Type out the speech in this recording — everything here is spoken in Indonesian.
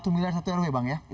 satu miliar satu rw ya bang ya